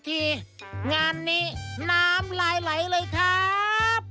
สีสันข่าวชาวไทยรัฐมาแล้วครับ